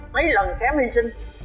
mấy lần xém hy sinh